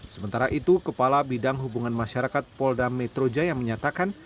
sementara itu kepala bidang hubungan masyarakat polda metro jaya menyatakan